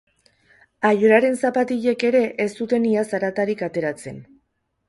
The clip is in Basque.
Aioraren zapatilek ere ez zuten ia zaratarik ateratzen.